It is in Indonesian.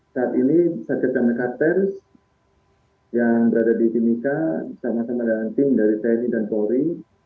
saat ini sakit dameka pers yang berada di timika sama sama dengan tim dari tni dan polri